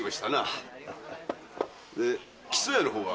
で木曽屋の方は？